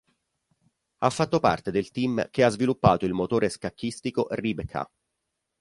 Ha fatto parte del team che ha sviluppato il motore scacchistico Rybka.